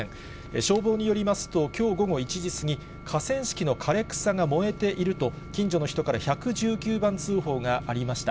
消防によりますと、きょう午後１時過ぎ、河川敷の枯れ草が燃えていると、近所の人から１１９番通報がありました。